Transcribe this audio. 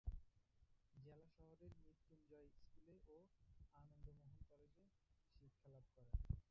জেলা শহরের মৃত্যুঞ্জয় স্কুলে ও আনন্দমোহন কলেজে শিক্ষালাভ করেন।